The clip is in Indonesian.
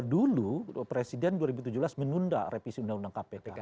dulu presiden dua ribu tujuh belas menunda revisi undang undang kpk